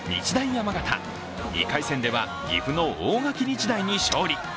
山形、２回戦では岐阜の大垣日大に勝利。